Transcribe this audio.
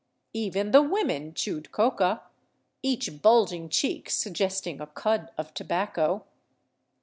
Even the women chewed coca, each bulging cheek suggesting a cud of tobacco.